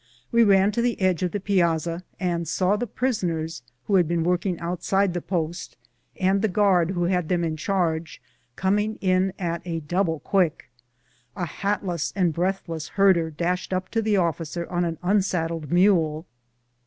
We ran to the edge of the piazza, and saw the prisoners, who had been work ing outside the post, and the guard who had them in charge, coming in at a double quick. A hatless and breathless herder dashed up to the officer on an unsad dled mule.